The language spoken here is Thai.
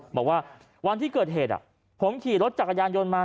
บอกว่าวันที่เกิดเหตุผมขี่รถจักรยานยนต์มา